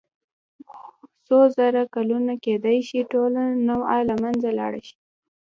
څو زره کلونه کېدای شي ټوله نوعه له منځه لاړه شي.